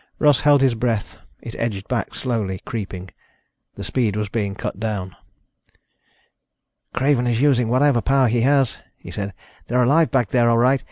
Russ held his breath. It edged back slowly, creeping. The speed was being cut down. "Craven is using whatever power he has," he said. "They're alive back there, all right.